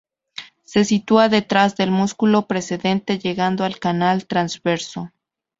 Se sitúa detrás del músculo precedente, llegando al canal transverso.